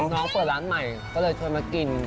น้องเปิดร้านใหม่ก็เลยชวนมากิน